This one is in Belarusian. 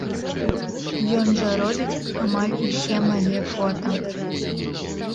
Ён жа робіць амаль усе мае фота.